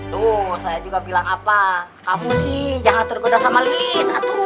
tuh saya juga bilang apa kamu sih jangan tergoda sama lini satu